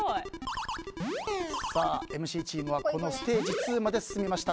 ＭＣチームはこのステージ２まで進みました。